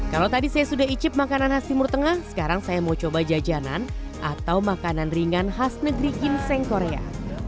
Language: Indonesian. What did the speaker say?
kalau tadi saya sudah icip makanan khas timur tengah sekarang saya mau coba jajanan atau makanan ringan khas negeri ginseng korea